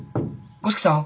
五色さん！